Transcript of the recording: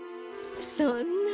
そんな。